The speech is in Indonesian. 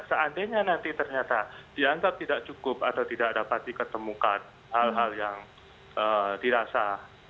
seandainya nanti ternyata dianggap tidak cukup atau tidak dapat diketemukan hal hal yang dirasa